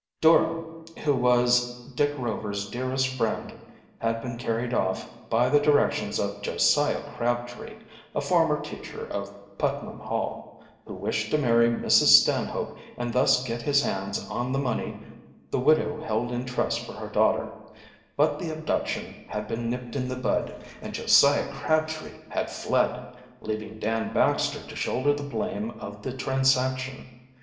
Dora, who was Dick Rover's dearest friend, had been carried off by the directions of Josiah Crabtree, a former teacher of Putnam Hall, who wished to marry Mrs. Stanhope and thus get his hands on the money the widow held in trust for her daughter, but the abduction had been nipped in the bud and Josiah Crabtree had fled, leaving Dan Baxter to shoulder the blame of the transaction.